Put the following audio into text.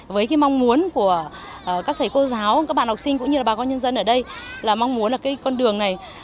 với cái mong muốn của các thầy cô giáo các bạn học sinh cũng như là bà con nhân dân ở đây là mong muốn là cái con đường này